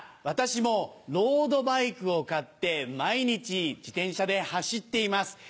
私もロードバイクを買って毎日自転車で走っています。